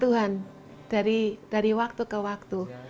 tuhan dari waktu ke waktu